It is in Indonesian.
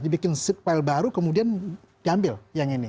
dibikin file baru kemudian diambil yang ini